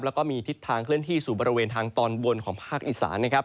แล้วก็มีทิศทางเคลื่อนที่สู่บริเวณทางตอนบนของภาคอีสานนะครับ